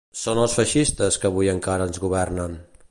Són els feixistes que avui encara ens governen.